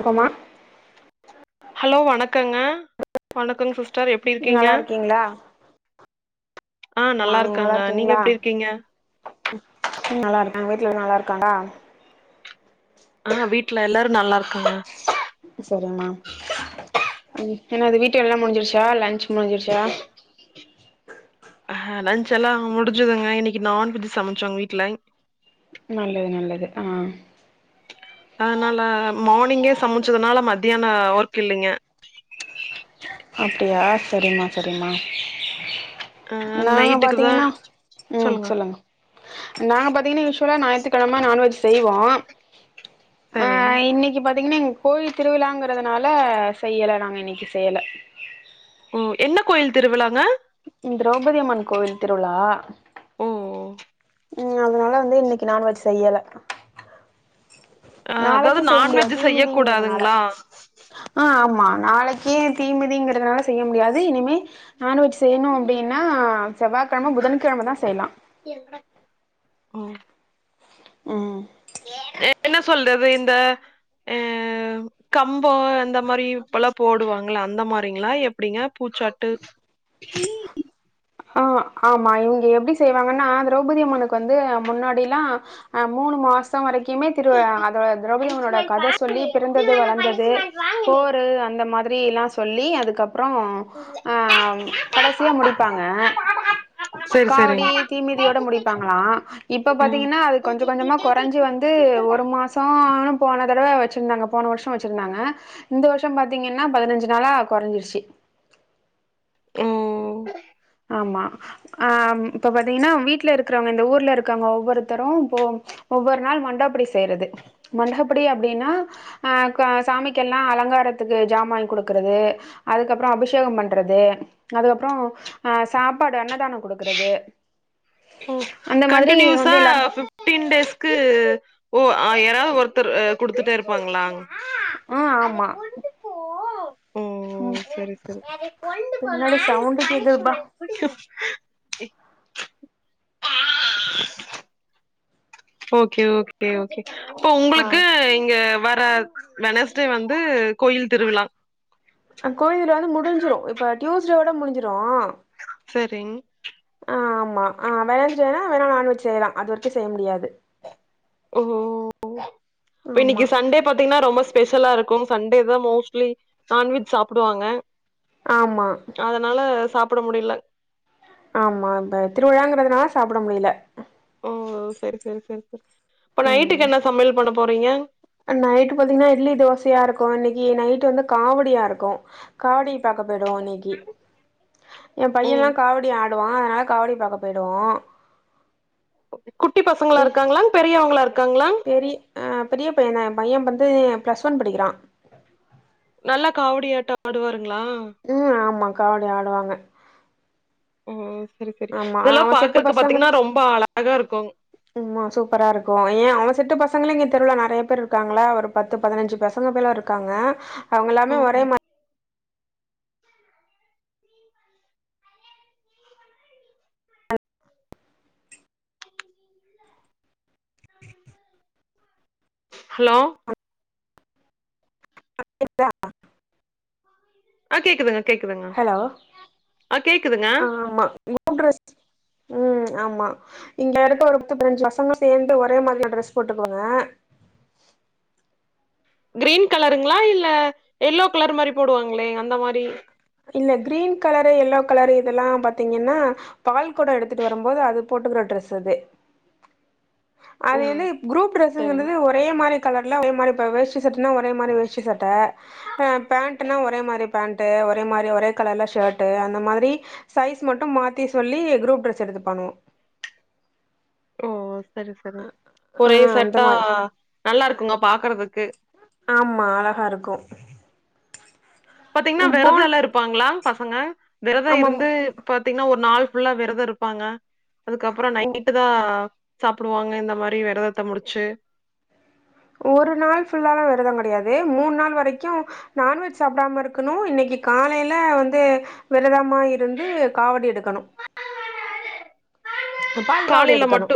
அப்பமா ஹலோ வணக்கங்க வணக்கங்க சிஸ்டர் எப்டி இருக்கீங்க நல்லா இருக்கீங்களா ஆ, நல்லா இருக்காங்க நீங்க எப்டி இருக்கீங்க? ம், நல்லா இருக்க வீட்லலா நல்லா இருக்காங்ளா? ஆ, வீட்ல எல்லாரு நல்லா இருக்காங்க சரிம்மா, ம் என்னது வீட்டு வேலல்லா முடிஞ்சிருச்சா? லன்ச் முடிஞ்சிருச்சா? ஆ, லன்ச் எல்லா முடிஞ்சதுங்க இன்னைக்கி நான்வெஜ் சமச்சோ எங்க வீட்ல நல்லது நல்லது ஆ அதனால மார்னிங்கே சமைச்சதுனால மதியான ஒர்க் இல்லைங்க அப்டியா சரிம்மா, சரிம்மா ஆ நாங்க நைட்டுக்கு தா பாத்தீங்கன்னா, ம், சொல்லுங்க நாங்க பாத்தீங்ன்னா யுஷ்வலா ஞாயித்துகெழம நான்வெஜ் செய்வோ ஆ, சரிங். இன்னைக்கு பாத்தீங்கனா கோயில் திருவிழாங்கறதுனால செய்யல நாங்க இன்னைக்கி செய்யல ஓ, என்ன கோயில் திருவிழாங்க? திரௌபதியம்மன் கோவில் திருவிழா ஓ ம், அதனால வந்து இன்னைக்கு நான்வெஜ் செய்யல ஆ அதாவது நாளைக்கு செய்ய முடியாது நான்வெஜ் செய்யக் தீமிதிங்கறதுனால கூடாதுங்களா? ஆ, ஆமா நாளைக்கு தீமிதிங்கறதுனால செய்ய முடியாது இனிமே நான்வெஜ் செய்யணு அப்படின்னா செவ்வாகெழம, புதன்கெழமதா செய்யலா எப் ம் என்ன சொல்றது இந்த, அ, கம்போ அந்த மாரி இப்பெல்லா போடுவாங்கள அந்த மாரிங்கலா எப்டிங்க பூச்சாட்டு இ ஆ, ஆமா இங்க எப்டி செய்வாங்கன்னா திரௌபதியம்மனுக்கு வந்து முன்னாடில்லா ஆ மூணு மாச சம் வரைக்குமே திருவிழா அதோ திரௌபதி அம்மனோட கத சொல்லி பிறந்தது வளந்தது போரு அந்த மாதிரில்லா சொல்லி அதுக்கப்பறோ ஆ, கடசியா முடிப்பாங்க சரி காவடி சரிங்க தீமிதியோட முடிப்பாங்களா இப்ப ம் பாத்தீங்கனா அது கொஞ்சோ கொஞ்சமா கொறஞ்சி வந்து ஒரு மாசம்னு போன தடவை வச்சிருந்தாங்க போன வருஷோ வச்சிருந்தாங்க இந்த வருஷ பாத்தீங்கன்னா பதினஞ்சு நாளா கொறைஞ்சிருச்சு ஓ ஆமா ஆ இப்ப பாத்தீங்கன்னா வீட்ல இருக்றவங்க இந்த ஊர்ல இருக்காங்க ஒவ்வொருத்தரு இப்போ ஒவ்வொருத்தரும் இப்போ ஒவ்வொரு நாள் மண்டகப்படி செய்யறது மண்டகப்படி அப்டின்னா அ க சாமிக்குல்லா அலங்காரத்துக்கு ஜாமா வாங்கி குடுக்குறது அதுக்கப்றோ அபிஷேகோ பண்றது அதுக்கப்றோ ஆ சாப்பாடு அன்னதான குடுக்குறது ம் கண்டினியூஸா எல்லாரு ஃப் ட்டின் டேஸ்க்கு ஓ யாராவது ஒருத்தர் குடுத்துட்டே இருப்பாங்ளா ஆ ஆமா ஓ, ஓ செரி செரி பின்னாடி சவுண்டு கேக்குதுப்பா ஆஹ் ஓகே ஓகே ஓகே அப்ப ஆ உங்களுக்கு இங்க வர வெனஸ்டே வந்து கோயில் திருவிழா அ கோயில் வந்து முடிஞ்சிடு இப்போ டியூஸ்டே ஓட முடிஞ்சிடு செரிங் ஆ ஆமா ஆ வெனெஸ்டேனா வேனா நான்வெஜ் செய்யலா அது வரைக்கு செய்ய முடியாது ஓ இப்ப ஆமா இன்னைக்கு சண்டே பாத்தீங்னா ரொம்ப ஸ்பெஷலா இருக்கு சண்டே தா மோஸ்ட்லி நான்வெஜ் சாப்டுவாங்க ஆமா அதனால சாப்ட முடியல ஆமா இப்ப திருவிழாங்கிறதுனால சாப்ட முடியல ஓ செரி செரி செரி செரி இப்ப நைட்டுக்கு என்ன சமையல் பண்ண போறீங்க அ நைட் பாத்தீங்கனா இட்லி தோசையா இருக்கு இன்னைக்கு நைட் வந்து காவடியா இருக்கு காவடி பாக்க போய்டுவோ இன்னைக்கு எ ஓ பையலா காவடி ஆடுவா அதனால காவடி பாக்க போயிடுவோ குட்டி பசங்களா ஏ இருக்காங்ளா பெரியவங்களா இருக்காங்ளா பெரிய அ பெரிய பையந்தா எ பைய வந்து பிளஸ் ஒன் படிக்கிறா நல்லா காவடி ஆட்ட ஆடுவாருங்ளா ம் ஆமா காவடி ஆடுவாங்க ஓ செரி செரி ஆமா இதெல்லா அவ செட்டு பாக்குறக்கு பாத்தீங்கனா ரொம்ப அழகா இருக்கு உமா சூப்பரா இருக்கு ஏ அவ செட்டு பசங்களே இங்க தெருல நெறையா பேரு இருக்காங்கள ஒரு பத்து பதினஞ்சு பசங்க மேல இருக்காங்க அவ்ங்கெல்லாமே ஒரே ம் மா ஹலோ ஆ கேக்குதா ஆ கேக்குதுங்க கேக்குதுங்க ஹலோ ஆ கேக்குதுங்க [inaudible] ம் ஆமா இங்க இருக்க ஒரு பத்து பதினஞ்சு பசங்க சேந்து ஒரே மாதிரியான ட்ரெஸ் போட்டுப்போங்க க்ரீன் கலருங்ளா இல்ல எல்லோ கலர் மாரி போடுவாங்ளே அந்த மாரி இல்ல க்ரீன் கலரு எல்லோ கலரு இதெல்லா பாத்தீங்கனா பால் கொட எடுத்துட்டு வரும்போது அது போட்டுக்கிற ட்ரெஸ் அது ஓ அது வந்து குரூப் சரிங் டிரெஸ்ன்ட்றது ஒரு ஒரே மாரி கலர்ல ஒர மாரி இப்ப வேஷ்டி சட்டனா ஒரே மாரி வேஷ்டி சட்ட ஆ பேண்ட்டுனா ஒரே மாரி பேண்ட்டு ஒர் ஒரே மாரி ஒரே கலர்ல ஷேர்ட்டு அந்த மாதிரி சைஸ் மட்டு மாத்தி சொல்லி குரூப் ட்ரெஸ் எடுத்துப்பானுங்க ஓ செரி செரிங்க ஒரே ஆ அந்த செட்டா மாரி நல்லா இருக்குங்க பாக்குறதுக்கு ஆமா அழகா இருக்கு பாத்தீங்னா ம் போன வெரதலா இருப்பாங்ளா பசங்க வெரத ஆமா இருந்து பாத்தீங்னா ஒரு நாள் ஃபுல்லா வெரத இருப்பாங்க அதுக்கப்ற ம் நைட்டு தா சாப்டுவாங்க இந்த மாரி வெரதத்த முடிச்சு ஒரு நாள் ஃபுல்லாலா வெரதங் கெடையாது மூண் நாள் வரைக்கு நான்வெஜ் சாப்டாம இருக்கணு இன்னைக்கு காலைல வந்து விரதமா இருந்து காவடி எடுக்கணு இந்த பால் காவடி காலையில எடுக்கணு மட்டு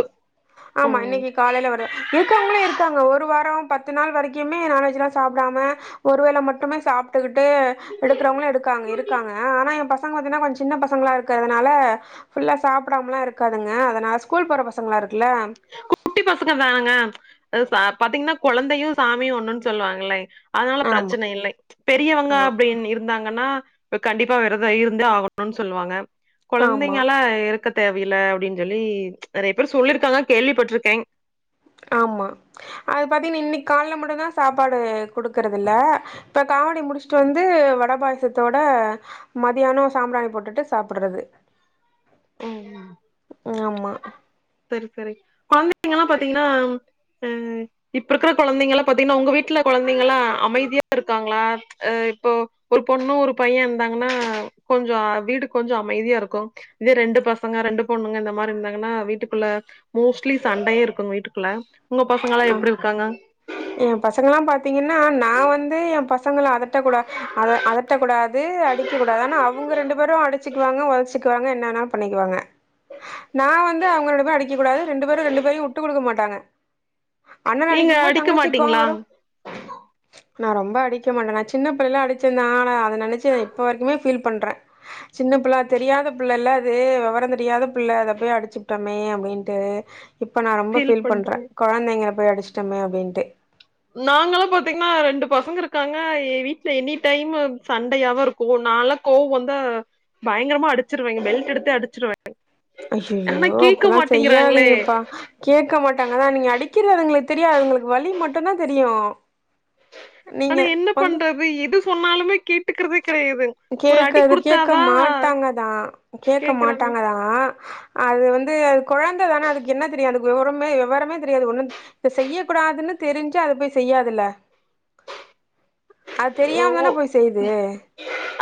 ஆமா ம் இன்னைக்கு காலைல வர இருக்கவ்ங்களு இருக்காங்க ஒரு வார பத்து நாள் வரைக்குமே நான்வெஜ் எல்லா சாப்டாம ஒரு வேள மட்டுமே சாப்ட்டுக்கிட்டு எடுக்றவ்ங்களு எடுக்காங்க இருக்காங்க ஆனா எ பசங்க பாத்தீங்னா கொஞ்ச சின்ன பசங்கள இருக்கறதனால ஃபுல்லா சாப்டாமலா இருக் காதுங்க அதனால ஸ்கூல் போற பசங்களா இருக்குல்ல குட்டி பசங்க தானங்க அ ச பாத்தீங்னா கொழந்தையு சாமியு ஒன்னுன் சொல்லுவாங்களே அதனால ஆமா பிரச்சனை இல்லை பெரியவங்க ஆ அப்டின் இருக் நாங்கன்னா இப்ப கண்டிப்பா வெரதோ இருந்தே ஆகணுன் சொல்லுவாங்க ஆமா கொழந்தைங்களா இரு க்க தேவயில்ல அப்டின் சொல்லி நறைய பேர் சொல்லிருக்காங்க கேள்விப்பட்ருக்கேன் ஆமா அது பாத்தீங்கன்னா இன்னைக் கால்ல மட்டுந்தா சாப்பாடு குடுக்குறதுல்ல இப்ப காவடி முடிச்சுட்டு வந்து வட பாயசத்தோட மதியானோ சாம்பிராணி போட்டுட்டு சாப்புறது ஆமா செரி செரி கொழந்தைங்கல்லா பாத்தீங்கன்னா ஆ இப்ப இருக்ற கொழந்தைங்களா பாத்தீங்கன்னா உங்க வீட்ல கொழந்தைங்களா அமைதியா இருக்காங்ளா ஆ இப்போ ஒரு பொண்ணு ஒரு பையே இருந்தாங்கன்னா கொஞ்சோ வீடு கொஞ்சோ அமைதியா இருக்கு இதே ரெண்டு பசங்க ரெண்டு பொண்ணுங்க இந்த மார் இருந்தாங்கன்னா வீட்டுக்குள்ள மோஸ்ட்லி சண்டயே இருக்கு வீட்டுக்குள்ள உங்க பசங்களா எப்டி இருக்காங்க எ பசங்கள்லா பாத்தீங்கன்னா நா வந்து எ பசங்கள அதட்ட கூடா அத அதட்டக்கூடாது அடிக்க கூடாது ஆனா அவுங்க ரெண்டு பேரு அடிச்சுக்குவாங்க ஒதச்சுக்குவாங்க என்னா வேணா பண்ணிக்குவாங்க நா வந்து அவுங்க ரெண்டு பேரயு அடிக்க கூடாது ரெண்டு பேரு ரெண்டு பேரையு வுட்டு குடுக்க மாட்டாங்க அண்ணன்ன நீங்க அடிக்கும்போது அடிக்க தங்கச்சிக் கோவோ மாட்டீங்களா வரு நா ரொம்ப அடிக்க மாட்டே நா சின்ன பிள்ளைல்ல அடிச்சே தா ஆனா அத நெனச்சு நா இப்ப வரைக்குமே ஃபீல் பண்றே சின்ன பிள்ள அது தெரியாத பிள்ளல்ல அது வெவரோ தெரியாத பிள்ள அத போய் அடிச்சுப்ட்டோமே அப்டின்ட்டு இப்ப நா ரொம்ப ஃபீல் பண்றே கொழந்தைங்கள போய் அடிச்ட்டோமே அப்டின்ட்டு நாங்களு பாத்தீங்கன்னா ரெண்டு பசங்க இருக்காங்க எ வீட்ல எனி டைம்மு சண்டயாதரு க்கு நாலா கோவ் வந்தா பயங்கரமா அடிச்சிருவேங்க பெல்ட் எடுத்தே அடிச்சிருவே ஆனா அய்யயோ கேக்க அப்பில்லா மாட்டேங்கிறாங்களே செய்யாதீங்கப்பா கேக்க மாட்டாங்கதா நீங்க அடிக்கிறது அதுங்களுக்கு தெரியாது அதுங்களுக்கு வலி மட்டுந்தா தெரியு நீங்க ஆனா என்ன வந்து பண்றது எது சொன்னாலுமே கேட்டுக்றதே கெடயாதுங் கேக்காது கேக்க மாட்டாங்கதா கேக்க கேக்குறாங்க மாட்டாங்கதா ஆ அது வந்து அது கொழந்த தான அதுக்கு என்ன தெரியு அதுக்கு வெவரமே வெவரமே தெரியாது ஒண்ணு இத செய்ய கூடாதுன் தெரிஞ்சா அது போய் செய்யாதுல அது தெரியாம தான போய் செய்து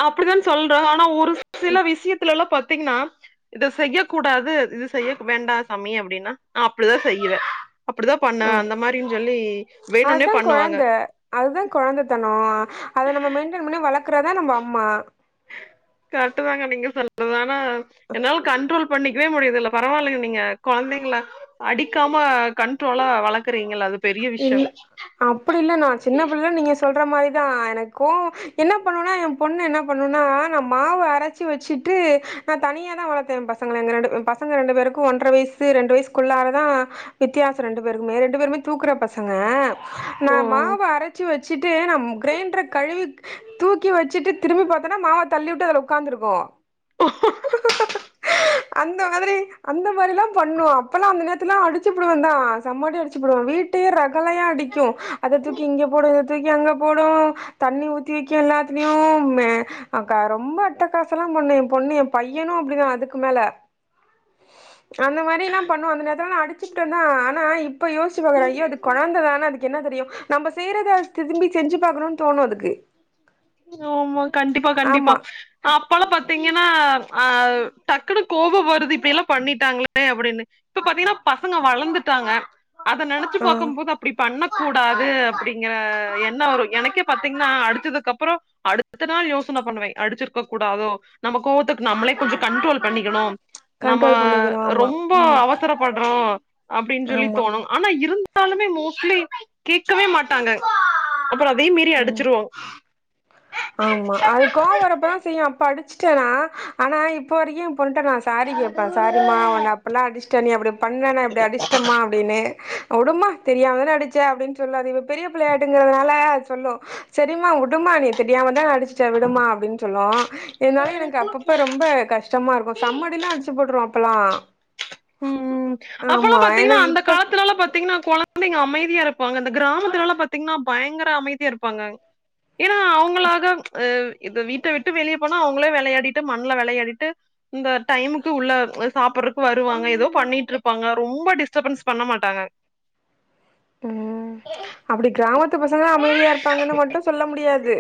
அப்டித்தான் சொல்றோ ஆனா ஒரு சில விஷ்யத்துலலா பாத்தீங்கன்னா இத செய்ய கூடாது இது செய்ய வேண்டா சாமி அப்டின்னா நா அப்டிதா செய்வே அப்டிதா அ பண்ணுவே அந்த மாரின் சொல்லி வேணுனே அதுதா பண்ணுவாங்க கொழந்த அதுதா கொழந்தத்தனோ அத நம்ம மெயின்டெய்ன் பண்ணி வளக்றதா நம்ப அம்மா கர்ட்டு தாங்க நீங்க சொல்றது ஆனா என்னால கன்ட்ரோல் பண்ணிக்கவே முடியறதில்ல பரவால்ல நீங்க கொழந்தைங்கள அடிக்காம கன்ட்ரோலா வளக்குறீங்கள அது பெரிய இல்ல விஷயம் அப்டியில்ல நா சின்ன பிள்ளைல நீங்க சொல்ற மாரிதா எனக்கு கோவோ என்ன பண்ணுனா எ பொண்ணு என்ன பண்ணுனா நா மாவு அரச்சி வச்சுட்டு நா தனியா தா வளத்தே எ பசங்கள எங்க ரெண்டு பசங்க ரெண்டு பேருக்கு ஒன்ர வய்சு ரெண்டு வய்சுக்குள்ளாரதா வித்தியாசோ ரெண்டு பேருக்குமே ரெண்டு பேருமே தூக்குற பசங்க நா மாவு ஓ அர ச்சு வச்சுட்டு நம் க்ரைண்ட்ற கழுவி தூக்கி வச்சிட்டு திரும்பி பாத்தேன்னா மாவ தள்ளி வுட்டு அதுல ஒக்காந்துருக்கு [unintelligible] அந்த மாதிரி அந்த மாரிலா பண்ணு அப்பெல்லா அந்த நேரத்துலா அடிச்சுபுடுவேதா செம்மடி அடிச்சு அப்றோ வீட்டே ரகளையா அடிக்கு அத தூக்கி இங்க போடு இத தூக்கி அங்க போடு தண்ணி ஊத்தி வெக்கு எல்லாத்லியு மே ஆ கா ரொம்ப அட்டக்காசோலா பண்ணு எ பொண்ணு எ பையனு அப்டிதா அதுக்கு மேல அந்த மாரிலா பண்ண உடனேதா அடிச்சுப்புட்டதா ஆனா இப் இப்போ யோசிச்சு பாக்குற ஐய அது குழந்த தான அதுக்கு என்ன தெரியு நம்ம செய்யறத அத திதும்பி செஞ்சு பாக்கணும்னு தோனு அதுக்கு ஆமா கண்டிப்பா கண்டிப்பா ஆமா அப்பல்லா பாத்தீங்கன்னா ஆ டக்குன்னு கோவோ வருது இப்டிலா பண்ணிட்டாங்களே அப்டின்னு இப்ப பாத்தீங்கன்னா பசங்க வளந்துட்டாங்க அத நெனச்சு ஆ பாக்கும் போது அப்படி பண்ணக் கூடாது அப்டிங்கற என்னோ வரு எனக்கே பாத்தீங்கன்னா அடிச்சதுக்கு அப்பரோ அடுத்த நாள் யோசன பண்ணுவே அடிச்சிருக்க கூடாதோ நம்ம கோவத்துக்கு நம்மளே கொஞ்சோ கண்ட்ரோல் பண்ணிக்கணு நம்ம கண்ட்ரோல் பண்ணிக்கணு ஆமா ரொம்ப அவ சரப்பட்றோ அப்டின்னு சொல்லி ஆமா தோணு ஆனா இருந்தாலுமே மோஸ்ட்லி கேட்கவே மாட்டாங்க அப்ரோ அதையு மீறி ம் அடிச்சுருவோ [inaudible] ஆமா அது கோவம்வரப்பதா செய்யு அப்ப அடிச்சுட்டனா ஆனா இப்ப வரைக்கு பொண்ணுட்டே நா சாரி கேப்பா சாரி மா உன்ன அப்பல்லா அடிஸ்ட நீ அப்படி பண்னா நா அப்டி அடிஷ்டமா அப்டின்னு உடுமா தெரியாமதான அடிச்ச அப்டின் சொல்லு அது இப்ப பெரிய பிள்ளையாய்ட்டுங்கறனால சொல்லு சரிம்மா உடுமா தெரியாமதான அடிச்சுட்ட விடுமா அப்டின் சொல்லு இருந்தாலு எனக்கு அப்பப்ப ரொம்ப கஷ் கஷ்டமா இருக்கு சம்ம அடில்லா அடிச்சு போட்ருவ அப்பல்லா ம் ம் அப்பல்லா பாத்தீங்கன்னா எனக்கு அந்த இப்ப காலத்துலலா பாத்தீங்கன்னா கொழ குழந்தைங்க அமைதியா இருப்பாங்க இந்த கிராமத்துல எல்லா பாத்தீங்கன்னா பயங்கர அமைதியா இருப்பாங்க ஏன்னா அவங்களாக அ இத வீட்ட விட்டு வெளிய போனா அவங்களே வெளையாடிட்டு மண்ல வெளையாடிட்டு இந்த டைமுக்கு உள்ள சாப்பட்றக்கு வர் வருவாங்க ஏதோ பண்ணிட்ருப்பாங்க ரொம்ப டிஸ்டர்பன்ஸ் பண்ண மாட்டாங்க ம் அப்டி கிராமத்து பசங்காதா அமைதியா இரு ப்பாங்கனு மட்டு சொல்ல முடியாது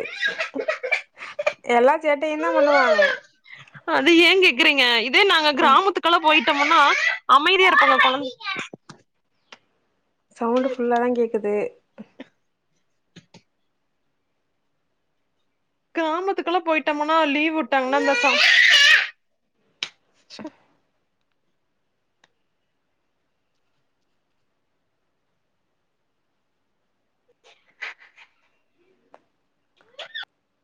எல்லா சேட்டையுதா பண்ணுவாங்க அது ஏ கேக்குறீங்க இதே நாங்க கிராமத்துக்கெல்லா போயிட்டமுனா அமைதியா இருப்பாங்க கொழந் சவுண்டு ஃபுல்லாதா கேக்குது கிராமத்துக்கெல்லா போயிட்டோம்னா லீவ் விட்டாங்கன்னா இந்த [inaudible] [inaudible]